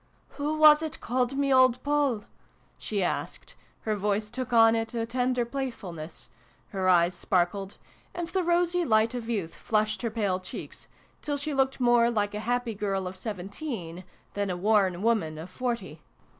" Who was it called me old Poll ?" she asked : her voice took on it a tender playfulness : her eyes sparkled ; and the rosy light of Youth flushed her pale cheeks, till she looked more like a happy girl of seven teen than a worn woman of forty.